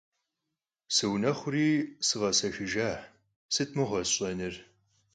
Sıunexhuri sıkhesexıjjaş, sıt mığuer sş'enu!